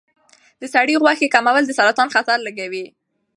د سرې غوښې کمول د سرطان خطر لږوي.